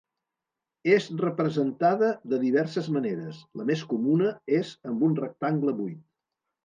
És representada de diverses maneres, la més comuna és amb un rectangle buit.